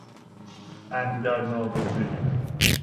انگل ناگزیر